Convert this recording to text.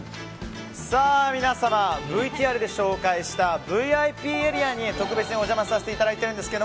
皆さん、ＶＴＲで紹介したＶＩＰエリアに特別にお邪魔させていただいているんですが